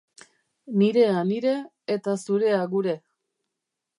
Nirea nire eta zurea gure.